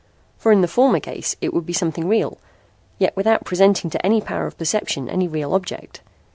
For in the former case it would be something real, yet without presenting to any power of perception any real object.